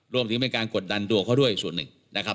รวมถึงเป็นการกดดันดวงเขาด้วยส่วนหนึ่งนะครับ